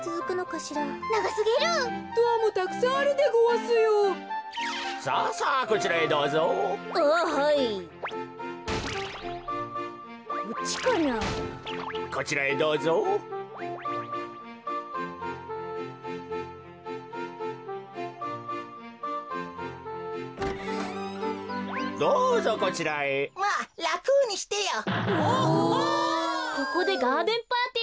ここでガーデンパーティーですか。